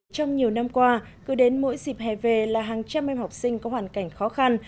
trong nhiều năm qua cứ đến mỗi dịp hè về là hàng trăm em học sinh có hoàn cảnh khó khăn